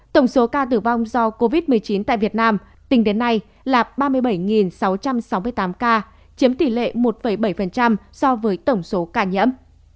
tổng số ca tử vong do covid một mươi chín tại việt nam tính đến nay là ba mươi bảy sáu trăm sáu mươi tám ca chiếm tỷ lệ một bảy so với tổng số ca nhiễm